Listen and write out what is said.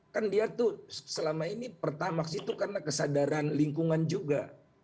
kan dia tuh selama ini pertamax itu karena kesadaran lingkungan juga